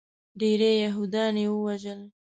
ډیری یهودیان یې ووژل.